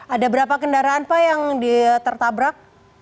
ada berapa kendaraan pak yang tertabrak